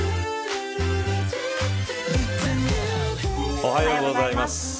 おはようございます。